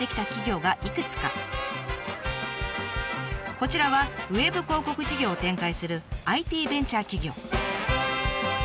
こちらはウェブ広告事業を展開するＩＴベンチャー企業。